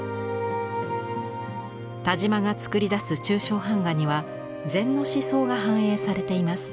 田嶋が作り出す抽象版画には禅の思想が反映されています。